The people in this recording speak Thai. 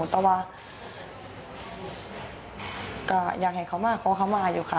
แต่ว่าก็อยากให้เขามาขอเขามาอยู่ค่ะ